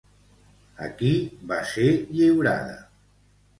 A qui va ser lliurada?